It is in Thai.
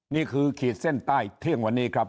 ขีดเส้นใต้เที่ยงวันนี้ครับ